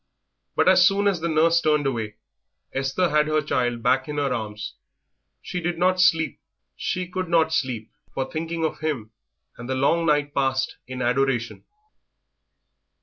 But as soon as the nurse turned away Esther had her child back in her arms. She did not sleep. She could not sleep for thinking of him, and the long night passed in adoration.